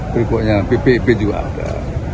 berikutnya ppp juga ada